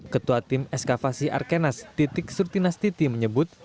ketua tim eskavasi arkenas titik surtinastiti menyebut